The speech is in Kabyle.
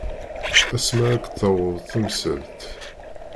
Asma ara ak-d-taweḍ temsalt.